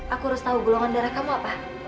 aku harus tahu golongan darah kamu apa